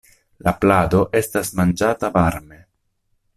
La plado estas manĝata varme.